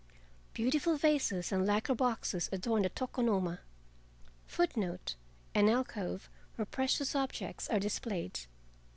Beautiful vases and lacquer boxes adorned the tokonoma of every room. An alcove where precious objects are displayed.